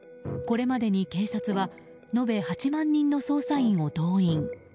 これまでに警察は延べ８万人の捜査員を動員。